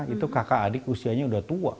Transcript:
itu kakak adik usianya udah tua